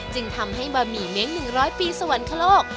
จึงทำให้บะหมี่เม้ง๑๐๐ปีสวรรคโลก